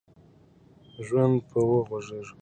ژوند به وغوړېږي